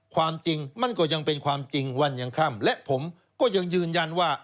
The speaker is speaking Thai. ความจริงมันก็ยังเป็นความจริงวันยังค่ำและผมก็ยังยืนยันว่า